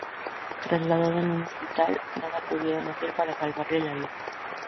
Trasladado a un hospital, nada pudieron hacer para salvarle la vida.